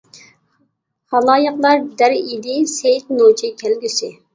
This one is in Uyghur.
خالايىقلار دەر ئىدى سېيىت نوچى كەلگۈسى.